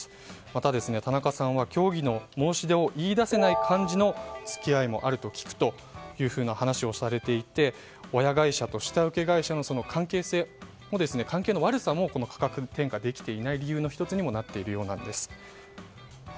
また田中さんは協議の申し出を言い出せない感じの付き合いもあると聞くというふうな話をされていて親会社と下請け会社の関係性関係の悪さも価格転嫁できていない理由の１つにもなっているようなんです。